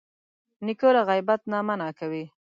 نیکه له غیبت نه منع کوي.